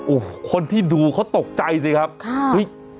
โอ้โหคนที่ดูเขาตกใจสิครับค่ะเฮ้ย